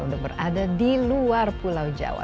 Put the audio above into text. untuk berada di luar pulau jawa